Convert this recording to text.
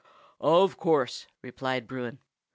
"Of course!" replied Bruin.